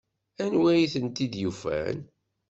Anwi ay ten-id-yufan?